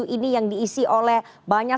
ini yang diisi oleh banyak